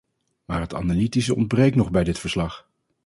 Maar het analytische ontbreekt nog bij dit verslag.